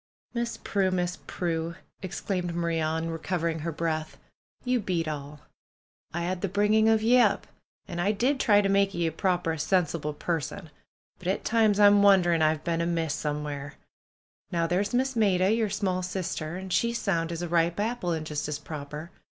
•^Miss Prue! Miss Prue !" exclaimed Maria, on re PRUE'S GARDENER 172 covering ner breath. ^^You beat all! I 'ad the bring ing of ye up, an' I did try to make ye a proper, sensible person; but at times I'm wondering I've been amiss somewhere. Now there's Miss Maida, yer small sister, an' she's sound as a ripe apple, an' just as proper.